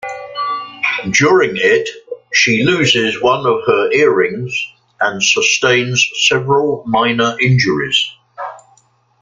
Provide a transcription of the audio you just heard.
During it, she loses one of her earrings and sustains several minor injuries.